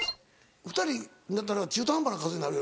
２人だったら中途半端な数になるよね。